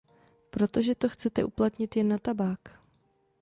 Protože to chcete uplatnit jen na tabák.